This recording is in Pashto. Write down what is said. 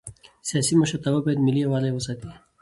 سیاسي مشرتابه باید ملي یووالی وساتي